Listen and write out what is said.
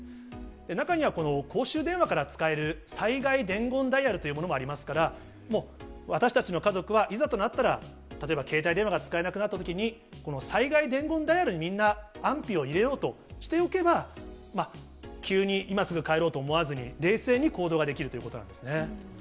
中には公衆電話から使える災害伝言ダイヤルというものもありますから、もう私たちの家族はいざとなったら、例えば携帯電話が使えなくなったときに、災害伝言ダイヤルにみんな安否を入れようとしておけば、急に今すぐ帰ろうと思わずに、冷静に行動ができるということなんですね。